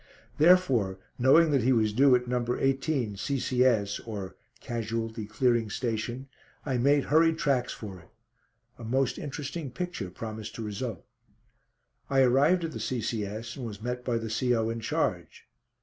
Therefore, knowing that he was due at No. 18 C.C.S. or "Casualty Clearing Station," I made hurried tracks for it. A most interesting picture promised to result. I arrived at the C.C.S. and was met by the C.O. in charge.